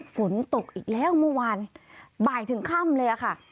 ฝนตกอีกแล้วเมื่อวานบ่ายถึงค่ำเลยค่ะ